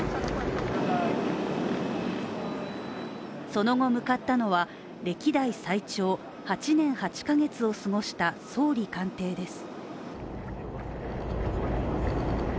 その後向かったのは、歴代最長８年８カ月を過ごした総理官邸です。